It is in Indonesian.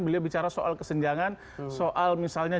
beliau bicara soal kesenjangan soal misalnya